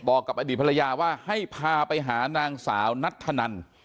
กับอดีตภรรยาว่าให้พาไปหานางสาวนัทธนัน